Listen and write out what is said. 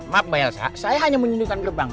maaf mbak elsa saya hanya menunjukkan gerbang